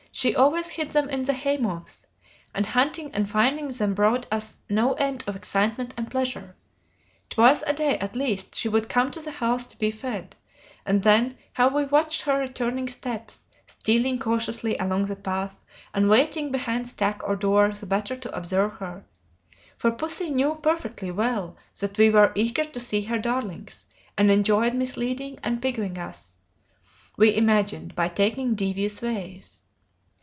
She always hid them in the haymows, and hunting and finding them brought us no end of excitement and pleasure. Twice a day, at least, she would come to the house to be fed, and then how we watched her returning steps, stealing cautiously along the path and waiting behind stack or door the better to observe her for pussy knew perfectly well that we were eager to see her darlings, and enjoyed misleading and piquing us, we imagined, by taking devious ways.